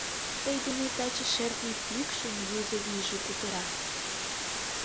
Тый денет таче шӧртньӧ пӱкшын юзо вийже кутыра.